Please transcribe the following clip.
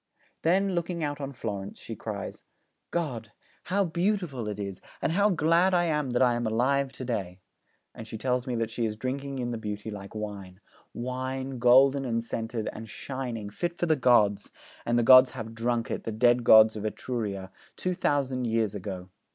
Then, looking out on Florence, she cries, 'God! how beautiful it is, and how glad I am that I am alive to day!' And she tells me that she is drinking in the beauty like wine, 'wine, golden and scented, and shining, fit for the gods; and the gods have drunk it, the dead gods of Etruria, two thousand years ago.